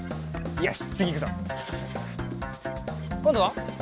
よし。